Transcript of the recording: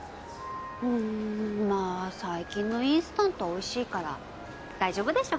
うんまぁ最近のインスタントはおいしいから大丈夫でしょ。